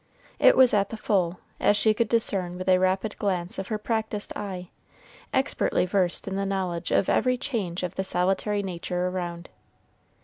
It was at the full, as she could discern with a rapid glance of her practiced eye, expertly versed in the knowledge of every change of the solitary nature around.